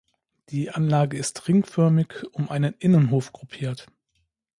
Die Anlage ist ringförmig um einen Innenhof gruppiert.